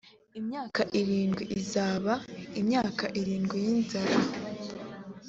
imyaka irindwi izaba imyaka irindwi y’inzara